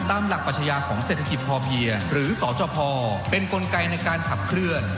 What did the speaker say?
ตามหลักปัชญาของเศรษฐกิจพอเพียงหรือสจพเป็นกลไกในการขับเคลื่อน